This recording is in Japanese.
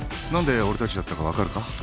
何で俺たちだったか分かるか？